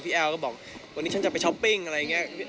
แอลก็บอกวันนี้ฉันจะไปช้อปปิ้งอะไรอย่างนี้